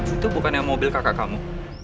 itu bukannya mobil kakak kamu